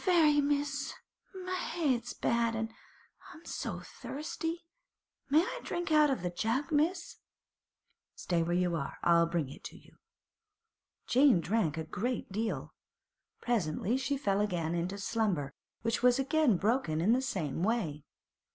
'Not very, miss. My head's bad, an' I'm so thirsty. May I drink out of the jug, miss?' 'Stay where you are. I'll bring it to you.' Jane drank a great deal. Presently she fell again into slumber, which was again broken in the same way.